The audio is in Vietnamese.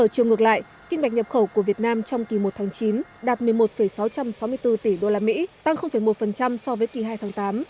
ở chiều ngược lại kinh bạch nhập khẩu của việt nam trong kỳ một tháng chín đạt một mươi một sáu trăm sáu mươi bốn tỷ usd tăng một so với kỳ hai tháng tám